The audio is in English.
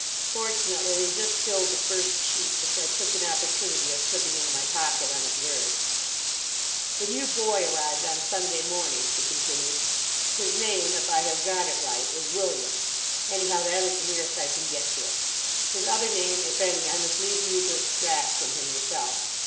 Fortunately they just filled the first sheet, which I took an opportunity of slipping into my pocket unobserved. "The new boy arrived on Sunday morning," she continued. "His name—if I have got it right—is William. Anyhow, that is the nearest I can get to it. His other name, if any, I must leave you to extract from him yourself.